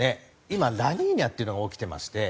今ラニーニャっていうのが起きてまして。